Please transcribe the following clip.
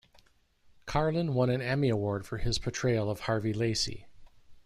Karlen won an Emmy Award for his portrayal of Harvey Lacey.